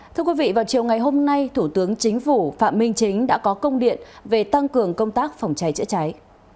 thưa quý vị vào chiều ngày hôm nay thủ tướng chính phủ phạm minh chính đã có công điện về tăng cường công tác phòng cháy chữa cháy